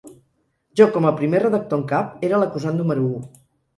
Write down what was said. Jo, com a primer redactor en cap, era l’acusat número u.